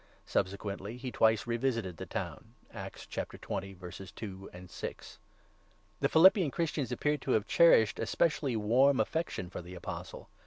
Subsequently he twice revisited the town (Acts 20. 2, 6). The Philippian Christians appear to have cherished a specially warm affection for the Apostle.